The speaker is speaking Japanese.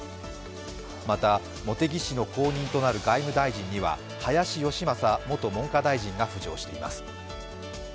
また茂木氏の後任となる外務大臣には林芳正元文科大臣が浮上しています。